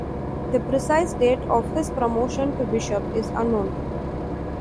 The precise date of his promotion to bishop is unknown.